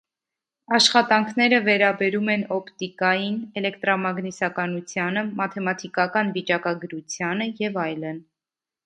Աշխատանքները վերաբերում են օպտիկային, էլեկտրամագնիսականությանը, մաթեմատիկական վիճակագրությանը և այլն։